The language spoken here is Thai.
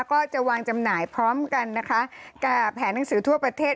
ก็จะวางจำหน่ายพร้อมกันนะคะกับแผนหนังสือทั่วประเทศ